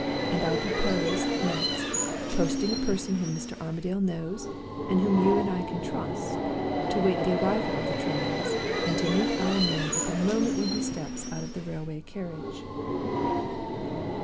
And I propose, next, posting a person whom Mr. Armadale knows, and whom you and I can trust, to wait the arrival of the trains, and to meet our man at the moment when he steps out of the railway carriage.